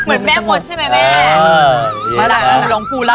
เหมือนแม่หมวนใช่ไหมแม่